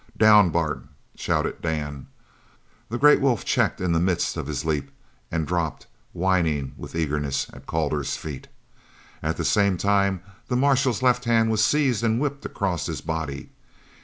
"Down, Bart!" shouted Dan. The great wolf checked in the midst of his leap and dropped, whining with eagerness, at Calder's feet. At the same time the marshal's left hand was seized and whipped across his body.